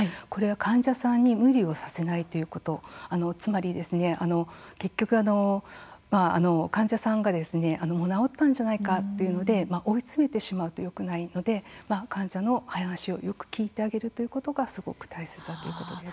患者さんに無理をさせないということ、つまり患者さんが治ったんじゃないかというので追い詰めてしまうとよくないので患者の話をよく聞いてあげることがすごく大切だということです。